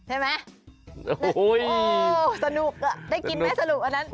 เออโอ้โห้ยสนุกอ่ะได้กินไหมสนุกอันนั้น